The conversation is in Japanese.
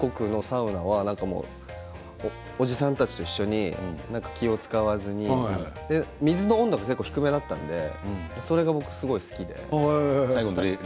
どこが韓国のサウナはおじさんたちと一緒に気を遣わずに水の温度も結構低めだったのでそれが僕すごく好きで。